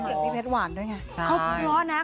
เกียรติเพชรหวานด้วยไง